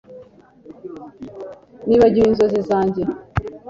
Nibagiwe inzozi zanjye